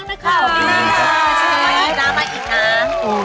ขอบคุณค่ะเชฟ